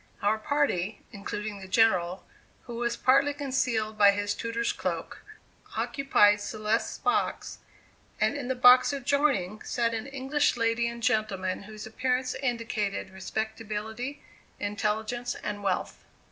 Our party, including the General, who was partly concealed by his tutor's cloak, occupied Celeste's box, and in the box adjoining sat an English lady and gentleman whose appearance indicated respectability, intelligence and wealth.